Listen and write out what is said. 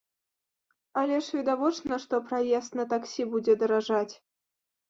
Але ж відавочна, што праезд на таксі будзе даражаць.